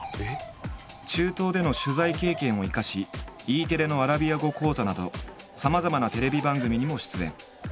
中東での取材経験を生かしＥテレのアラビア語講座などさまざまなテレビ番組にも出演。